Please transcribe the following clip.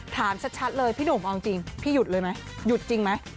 ถามชัดเลยพี่หนุ่มเอาจริงพี่หยุดเลยไหมหยุดจริงไหม